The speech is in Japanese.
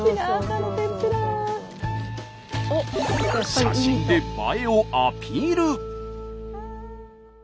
写真で映えをアピール！